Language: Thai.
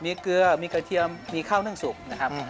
มีเกลือมีกระเทียมมีข้าวนึ่งสุกนะครับ